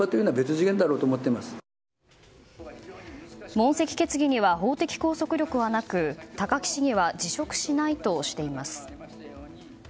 問責決議には法的拘束力はなく高木市議は辞職しないとしています。